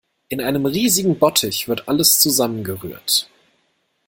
In einem riesigen Bottich wird alles zusammengerührt.